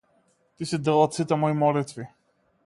Ти си дел од сите мои молитви.